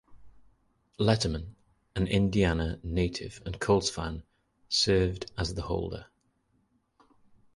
Letterman, an Indiana native and Colts fan, served as the holder.